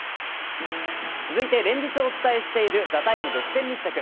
続いて、連日お伝えしている「ＴＨＥＴＩＭＥ，」独占密着。